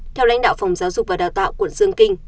theo lãnh đạo phòng giáo dục và đào tạo quận dương kinh